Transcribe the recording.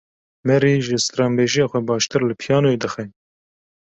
Mary ji stranbêjiya xwe baştir li piyanoyê dixe.